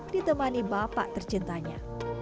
ditemani bapak tercintanya